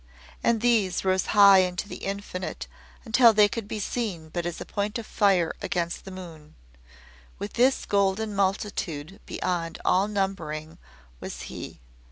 And these rose high into the infinite until they could be seen but as a point of fire against the moon. With this golden multitude beyond all numbering was He.